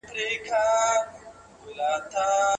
افغانانو د غرونو څخه بریدونه پیل کړل.